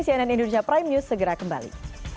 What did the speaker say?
cnn indonesia prime news segera kembali